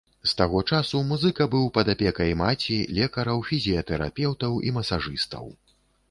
З таго часу музыка быў пад апекай маці, лекараў, фізіятэрапеўтаў і масажыстаў.